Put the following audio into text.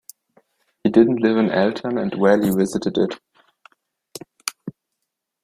He didn't live in Elton and rarely visited it.